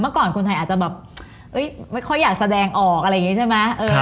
ก่อนคนไทยอาจจะแบบไม่ค่อยอยากแสดงออกอะไรอย่างนี้ใช่ไหม